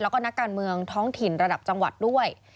แล้วก็นักการเมืองท้องถิ่นระดับจังหวัดด้วย